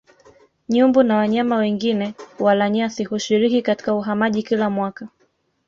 Nyumbu na wanyama wengi walanyasi hushiriki katika uhamaji kila mwaka